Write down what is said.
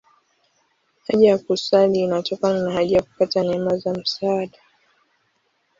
Haja ya kusali inatokana na haja ya kupata neema za msaada.